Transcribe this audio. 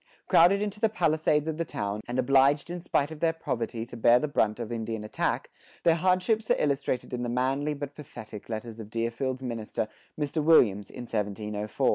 Crowded into the palisades of the town, and obliged in spite of their poverty to bear the brunt of Indian attack, their hardships are illustrated in the manly but pathetic letters of Deerfield's minister, Mr. Williams,[70:3] in 1704.